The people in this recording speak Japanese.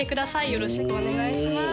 よろしくお願いします